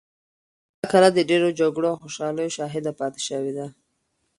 دا کلا د ډېرو جګړو او خوشحالیو شاهده پاتې شوې ده.